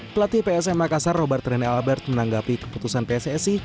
pelatih psm makassar robert rene albert menanggapi keputusan pssi